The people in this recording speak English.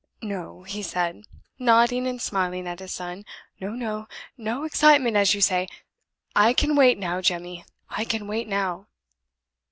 "No," he said, nodding and smiling at his son. "No, no no excitement, as you say I can wait now, Jemmy; I can wait now."